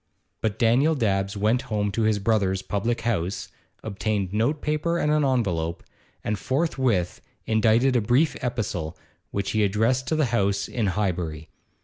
But Daniel Dabbs went home to his brother's public house, obtained note paper and an envelope, and forthwith indited a brief epistle which he addressed to the house in Highbury.